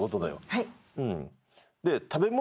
はい。